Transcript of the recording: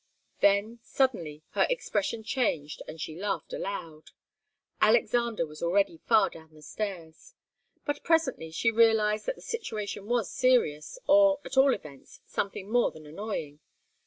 Then, suddenly, her expression changed, and she laughed aloud. Alexander was already far down the stairs. But presently she realized that the situation was serious, or, at all events, something more than annoying.